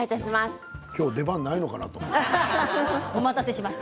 今日は出番がないのかなと思って。